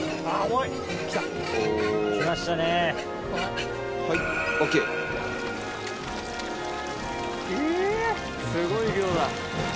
いやすごい量だ。